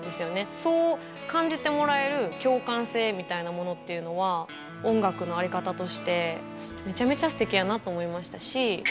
そう感じてもらえる共感性みたいなものっていうのは音楽の在り方として、めちゃめちゃすてきやなって思いましたし。